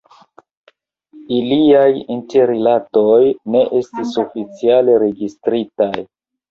Iliaj interrilatoj ne estis oficiale registritaj.